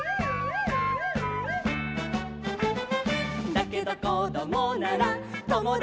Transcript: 「だけどこどもならともだちになろう」